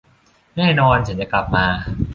แน่นอน ฉันจะกลับมา